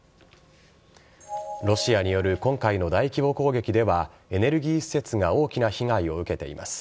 ロシアによる今回の大規模攻撃では、エネルギー施設が大きな被害を受けています。